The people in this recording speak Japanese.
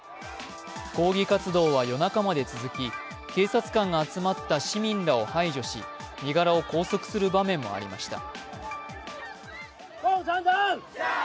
抗議活動は夜中まで続き、警察官が集まった市民らを排除し身柄を拘束する場面もありました。